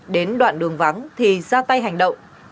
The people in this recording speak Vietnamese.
đến đoạn đường vắng thì ra tay hành động